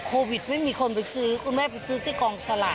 โควิดไม่มีคนไปซื้อคุณแม่ไปซื้อที่กองสลาก